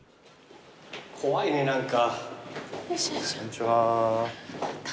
怖いね何か。